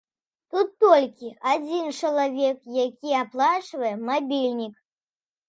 Тут толькі адзін чалавек, які аплачвае мабільнік.